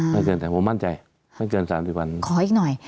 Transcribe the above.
ไม่เกิน๓๔วันขออีกหน่อย